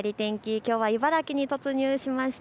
きょうは茨城に突入しました。